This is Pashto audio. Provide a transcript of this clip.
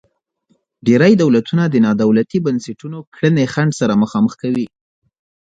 ډیری دولتونه د نا دولتي بنسټونو کړنې خنډ سره مخامخ کوي.